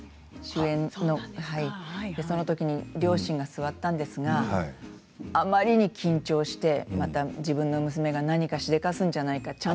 そこにそのときは両親が座ったんですがあまりに緊張してまた自分の娘が何かしでかすんじゃないか。